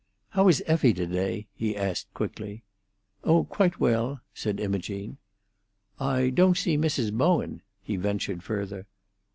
"How is Effie to day?" he asked quickly. "Oh, quite well," said Imogene. "I don't see Mrs. Bowen," he ventured further.